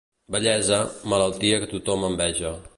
Vellesa, malaltia que tothom enveja.